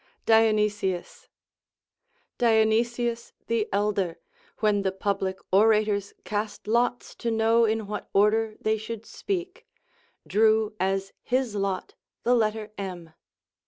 DioNYSius. Dionysius the Elder, when the public ora tors cast lots to know in what order they should speak, drew as his lot the letter M.